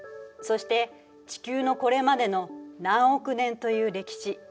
そして地球のこれまでの何億年という歴史